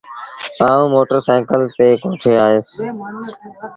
آئوٚݩ موٽر سآئيٚڪل تي ڪوٺي آئيٚس۔